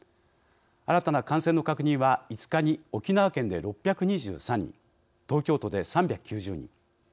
新たな感染の確認は５日に沖縄県で６２３人東京都で３９０人。